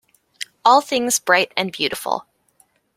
All things bright and beautiful.